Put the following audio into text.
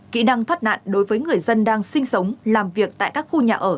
kỹ năng thoát nạn đối với người dân đang sinh sống làm việc tại các khu nhà ở